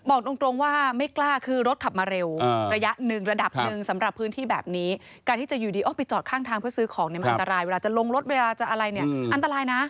บอกตรงว่าไม่กล้าคือรถขับมาเร็วระยะหนึ่งระดับหนึ่งสำหรับพื้นที่แบบนี้การที่จะอยู่ดีออกไปจอดข้างทางเพื่อซื้อของเนี่ยมันอันตรายเวลาจะลงรถเวลาจะอะไรเนี่ยอันตรายนะ